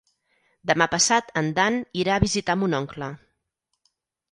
Demà passat en Dan irà a visitar mon oncle.